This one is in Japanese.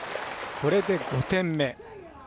これで５点目。